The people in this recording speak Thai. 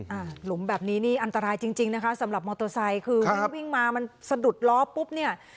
อ่ะหลุมแบบนี้นี่อันตรายจริงจริงนะคะสำหรับคือพี่บิ้งมามันสะดุดล้อปุ๊บเนี่ย